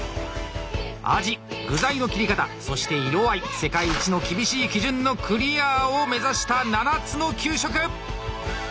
味具材の切り方そして色合い世界一の厳しい基準のクリアを目指した７つの給食！